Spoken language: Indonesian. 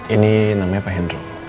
ini namanya pak hendro